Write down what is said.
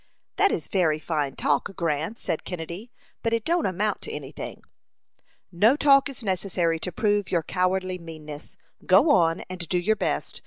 "That is very fine talk, Grant," said Kennedy, "but it don't amount to any thing." "No talk is necessary to prove your cowardly meanness. Go on, and do your best.